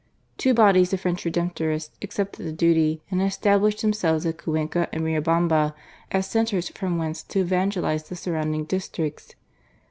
Two bodies of French Redemptorists accepted the duty, and established themselves at Cuenca and Riobamba as centres from whence to evangelise the surrounding districts.